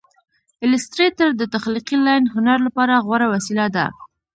ایلیسټریټر د تخلیقي لاین هنر لپاره غوره وسیله ده.